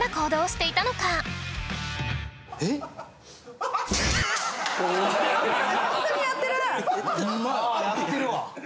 ああやってるわ。